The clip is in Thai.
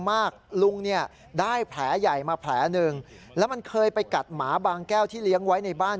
มาแผลหนึ่งแล้วมันเคยไปกัดหมาบางแก้วที่เลี้ยงไว้ในบ้าน